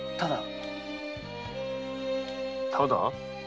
ただ？